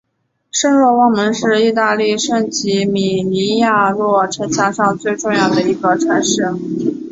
圣若望门是意大利圣吉米尼亚诺城墙上最重要的一个城门。